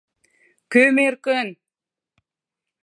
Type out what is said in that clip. - Кӧм эркын?